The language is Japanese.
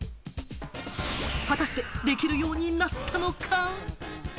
果たしてできるようになったのか？